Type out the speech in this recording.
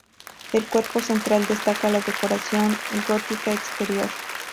Del cuerpo central destaca la decoración gótica exterior.